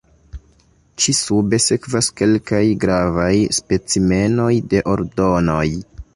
Ĉi-sube sekvas kelkaj gravaj specimenoj de ordonoj.